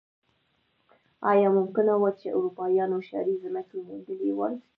ایا ممکنه وه چې اروپایانو شاړې ځمکې موندلی وای.